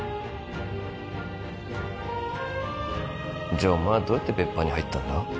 じゃあお前はどうやって別班に入ったんだ？